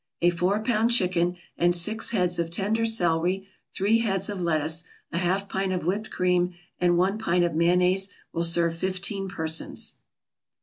A four pound chicken, and six heads of tender celery, three heads of lettuce, a half pint of whipped cream, and one pint of mayonnaise, will serve fifteen persons.